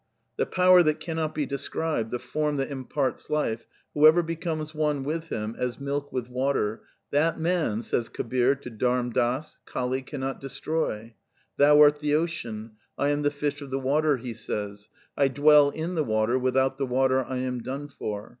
'The power that cannot be described, the form that imparts life, whoever becomes one with him (as milk with water) that man, says Kabir to Dharm Dass, Kali cannot destroy.* ' Thou art the ocean ; I am the fish of the water,' he says, ' I dwell in the water, without the water I am done for.'